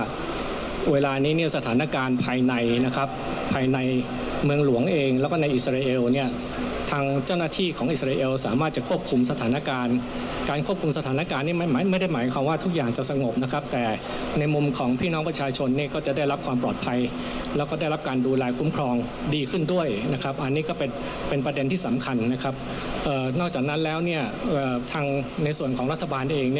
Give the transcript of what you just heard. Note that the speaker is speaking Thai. ว่าเวลานี้เนี่ยสถานการณ์ภายในนะครับภายในเมืองหลวงเองแล้วก็ในอิสราเอลเนี่ยทางเจ้าหน้าที่ของอิสราเอลสามารถจะควบคุมสถานการณ์การควบคุมสถานการณ์นี้ไม่ไม่ไม่ได้หมายความว่าทุกอย่างจะสงบนะครับแต่ในมุมของพี่น้องประชาชนเนี่ยก็จะได้รับความปลอดภัยแล้วก็ได้รับการดูลายคุ้มครองดีขึ้นด้วยนะครับ